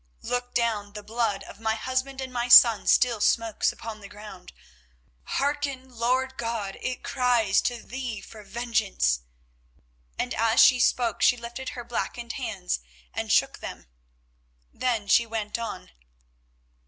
Look down, the blood of my husband and my son still smokes upon the ground. Hearken, Lord God, it cries to Thee for vengeance!" and as she spoke she lifted her blackened hands and shook them. Then she went on.